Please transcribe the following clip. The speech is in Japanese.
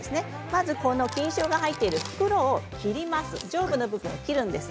まず菌床の入っている袋の上部の部分を切ります。